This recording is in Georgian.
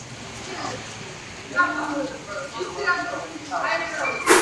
მოვუწონებ ეამება გაბრიყვდება ამ ქებითო